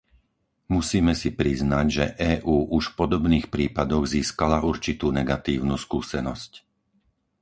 Musíme si priznať, že EÚ už v podobných prípadoch získala určitú negatívnu skúsenosť.